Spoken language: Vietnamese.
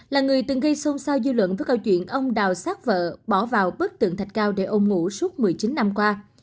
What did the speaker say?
là người từng gây xôn xao dư luận với câu chuyện ông đào sát vợ bỏ vào bức tượng thạch cao để ôn ngủ suốt một mươi chín năm qua